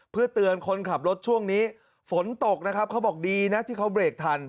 เพื่อเตือนคนขับรถช่วงนี้ฝนตกนะครับเขาบอกดีนะที่เขาเบรกทัน